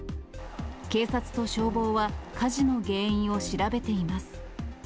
警察と消防は、火事の原因を調べています。